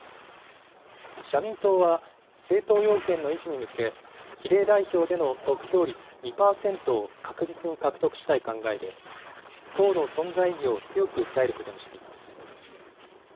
社民党は、政党要件の維持に向け、比例代表での得票率２％を確実に獲得したい考えで、党の存在意義を強く訴えることにしています。